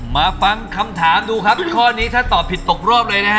มาฟังคำถามดูครับข้อนี้ถ้าตอบผิดตกรอบเลยนะฮะ